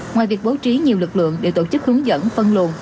ngoài việc bố trí nhiều lực lượng để tổ chức hướng dẫn phân luồn